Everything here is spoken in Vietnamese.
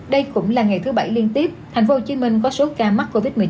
đây cũng là ngày thứ bảy liên tiếp tp hcm có số ca mắc covid một mươi chín